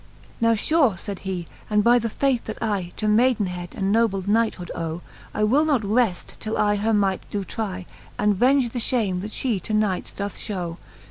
XXXIV. Now fure, fayd he_, and by the faith, that I To maydenhead and noble knighthood owe, I will not reft, till I her might doe trie. And venge the ftiame, that Ihe to knights doth fliow.